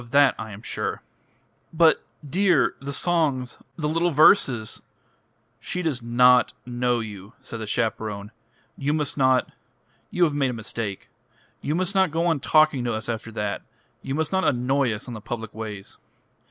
"Of that I am sure." "But, dear the songs the little verses " "She does not know you," said the chaperone. "You must not.... You have made a mistake. You must not go on talking to us after that. You must not annoy us on the public ways."